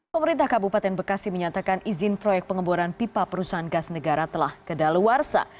pemerintah kabupaten bekasi menyatakan izin proyek pengeboran pipa perusahaan gas negara telah kedaluarsa